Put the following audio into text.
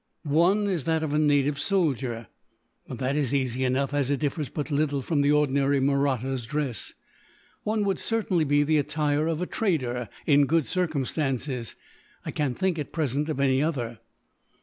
"One is that of a native soldier." "That is easy enough, as it differs but little from the ordinary Mahratta's dress." "One would certainly be the attire of a trader, in good circumstances. I can't think, at present, of any other."